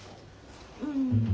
うん。